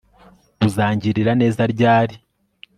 uzangirira neza ryari